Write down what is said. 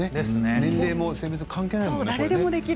年齢も性別も関係ないもんね。